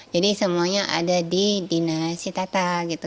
jadi semuanya ada di dinas cipta tata gitu